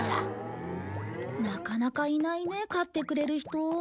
なかなかいないね飼ってくれる人。